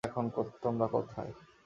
জানি না, এখন তোমরা কোথায়।